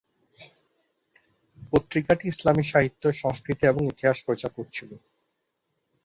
পত্রিকাটি ইসলামী সাহিত্য, সংস্কৃতি এবং ইতিহাস প্রচার করছিলো।